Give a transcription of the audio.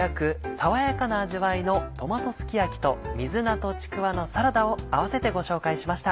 爽やかな味わいの「トマトすき焼き」と「水菜とちくわのサラダ」を併せてご紹介しました。